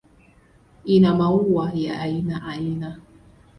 Ina maua ya aina aina.